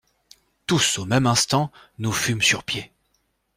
Tous au même instant, nous fûmes sur pied.